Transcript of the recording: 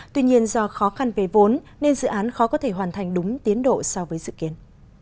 tuy nhiên do khó khăn về vốn nên dự án khó có thể hoàn thành đúng tiến độ so với dự kiến